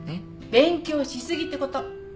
勉強しすぎってこと。